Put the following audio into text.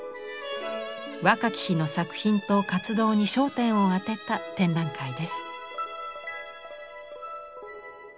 若き日の作品と活動に焦点を当てた展覧会です。